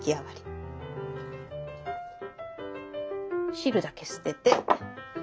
汁だけ捨てて。